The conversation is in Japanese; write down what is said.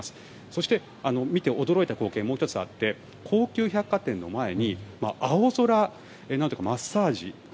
そして、見て驚いた光景はもう１つあって高級百貨店の前に青空マッサージ。